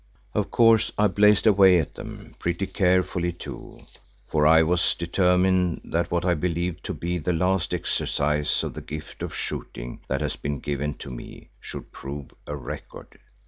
Of course I blazed away at them, pretty carefully too, for I was determined that what I believed to be the last exercise of the gift of shooting that has been given to me, should prove a record.